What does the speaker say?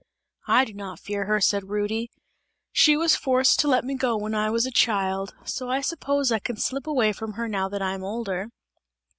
"I do not fear her," said Rudy, "she was forced to let me go when I was a child, so I suppose I can slip away from her now that I am older!"